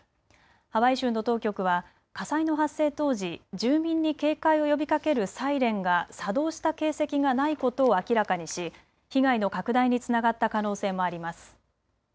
ハワイ州の当局は火災の発生当時、住民に警戒を呼びかけるサイレンが作動した形跡がないことを明らかにし、被害の拡大につながった可能性もあります。